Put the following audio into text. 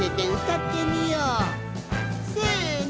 せの。